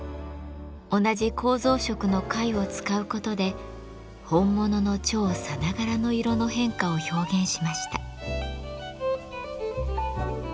同じ構造色の貝を使うことで本物の蝶さながらの色の変化を表現しました。